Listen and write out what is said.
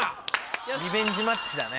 リベンジマッチだね。